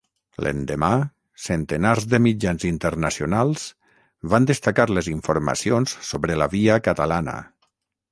L'endemà, centenars de mitjans internacionals van destacar les informacions sobre la Via Catalana.